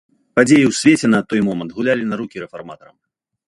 Падзеі ў свеце на той момант гулялі на рукі рэфарматарам.